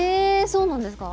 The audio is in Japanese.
そうなんですか？